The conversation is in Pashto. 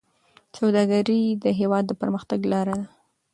سوداګري د هېواد د پرمختګ لاره ده.